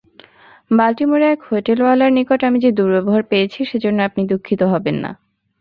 বাল্টিমোরে এক হোটেলওয়ালার নিকট আমি যে দুর্ব্যবহার পেয়েছি, সেজন্য আপনি দুঃখিত হবেন না।